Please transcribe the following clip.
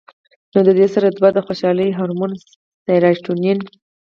نو د دې سره دوه د خوشالۍ هارمون سېراټونین